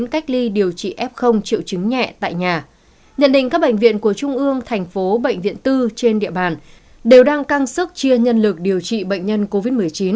nhận định các bệnh viện của trung ương thành phố bệnh viện tư trên địa bàn đều đang căng sức chia nhân lực điều trị bệnh nhân covid một mươi chín